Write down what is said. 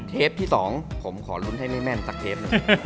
เทปที่๒ผมขอรุ้นให้ไม่แม่นสักที